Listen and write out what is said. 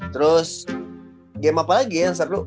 terus game apa lagi yang seru